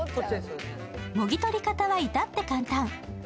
もぎとりかたは至って簡単。